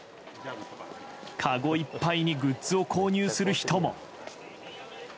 かごいっぱいにグッズを購入する人も。